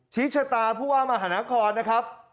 ชีชะตาผู้ว่ามหานครนะครับ